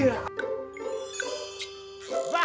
jangan lupa dia dua